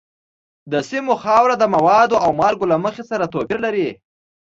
د سیمو خاوره د موادو او مالګو له مخې سره توپیر لري.